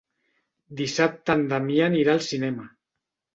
Dissabte en Damià anirà al cinema.